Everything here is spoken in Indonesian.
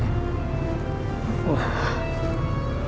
ya ini udah berapa